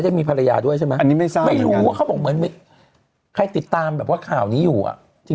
ใช่มั้ยอันนี้ไม่ทราบเขาบอกเหมือนคล้ายติดตามแบบว่าข่าวนี้อยู่อ่ะ